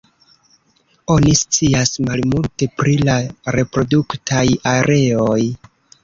Oni scias malmulte pri la reproduktaj areoj.